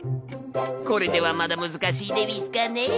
これではまだ難しいでうぃすかね？